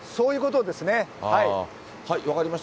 分かりました。